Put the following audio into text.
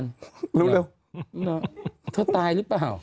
เร็วเธอตายหรือเปล่า